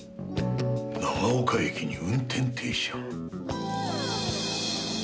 長岡駅に運転停車。